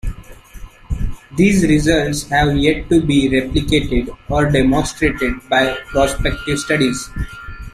These results have yet to be replicated or demonstrated by prospective studies.